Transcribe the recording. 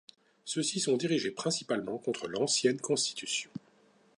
Ceux-ci sont dirigés principalement contre l'ancienne Constitution.